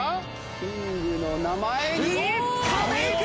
キングの名前に亀井君！